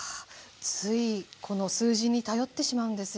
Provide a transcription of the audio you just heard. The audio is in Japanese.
ついこの数字に頼ってしまうんですよね。